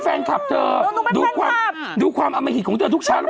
แฟนคลับเธอดูความดูความอมหิตของเธอทุกเช้าแล้ว